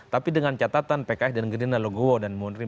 tapi dengan catatan pks dan gerindra